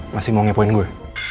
masih mau ngepoin gue